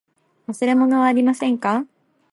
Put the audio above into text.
忘れ物はありませんか。